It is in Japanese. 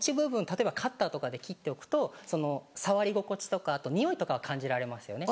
例えばカッターとかで切っておくとその触り心地とかあとにおいとかは感じられますよね。